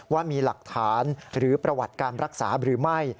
ว่ามีหลักฐานหรือประวัติการรักษาหรือไม่